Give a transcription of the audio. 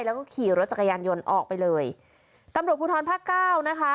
แล้วก็ขี่รถจักรยานยนต์ออกไปเลยตำรวจภูทรภาคเก้านะคะ